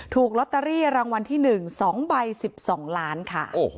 ถูกลอตเตอรี่รางวัลที่๑๒ใบ๑๒ล้านค่ะ